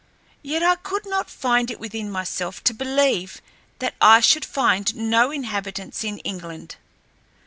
Yet I could not find it within myself to believe that I should find no inhabitants in England.